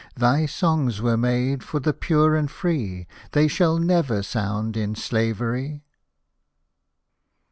Thy songs were made for the pure and free, They shall never sound in slavery."